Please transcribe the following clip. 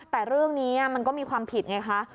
แต่เรื่องนี้มันก็มีความผิดไงคะ